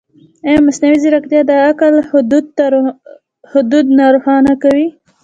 ایا مصنوعي ځیرکتیا د عقل حدود نه روښانه کوي؟